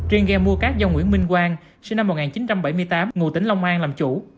riêng ghe mua cát do nguyễn minh quang sinh năm một nghìn chín trăm bảy mươi tám ngụ tỉnh long an làm chủ